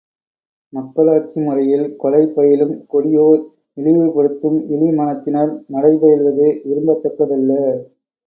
மக்களாட்சி முறையில் கொலை பயிலும் கொடியோர், இழிவுபடுத்தும் இழி மனத்தினர் நடைபயில்வது விரும்பத்தக்கதல்ல.